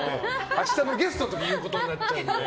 明日のゲストの時に言うことになっちゃうので。